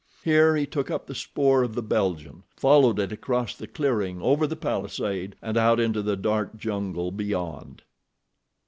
Here he took up the spoor of the Belgian, followed it across the clearing, over the palisade, and out into the dark jungle beyond.